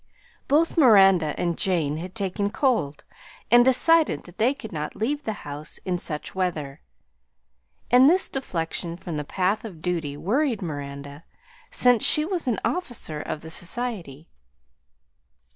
Both Miranda and Jane had taken cold and decided that they could not leave the house in such weather, and this deflection from the path of duty worried Miranda, since she was an officer of the society.